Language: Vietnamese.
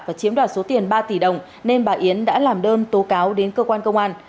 và chiếm đoạt số tiền ba tỷ đồng nên bà yến đã làm đơn tố cáo đến cơ quan công an